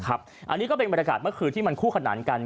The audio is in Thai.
อันนี้ก็เป็นบรรยากาศเมื่อคืนที่มันคู่ขนานกัน